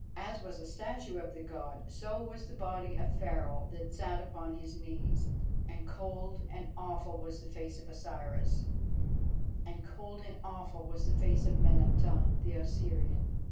As was the statue of the God, so was the body of Pharaoh that sat upon his knees, and cold and awful was the face of Osiris, and cold and awful was the face of Meneptah the Osirian.